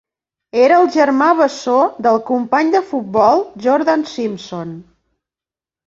Era el germà bessó del company de futbol Jordan Simpson.